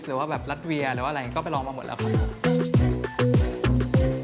หรือว่าแบบรัดเวียหรือว่าอะไรก็ไปลองมาหมดแล้วครับผม